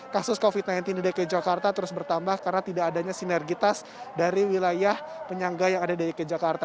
kasus covid sembilan belas di dki jakarta terus bertambah karena tidak adanya sinergitas dari wilayah penyangga yang ada di dki jakarta